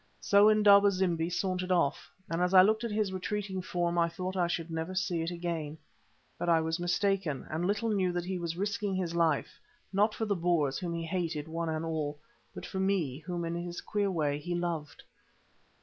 So Indaba zimbi sauntered off, and as I looked at his retreating form I thought I should never see it again. But I was mistaken, and little knew that he was risking his life, not for the Boers whom he hated one and all, but for me whom in his queer way he loved.